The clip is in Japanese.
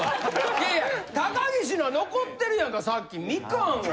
いやいや高岸の残ってるやんかさっきみかんを。